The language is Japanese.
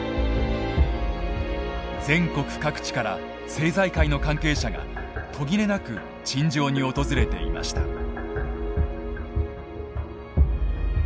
全国各地から政財界の関係者が途切れなく陳情に訪れていました。